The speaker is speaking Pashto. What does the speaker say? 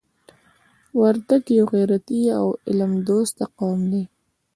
وردګ یو غیرتي او علم دوسته قوم دی.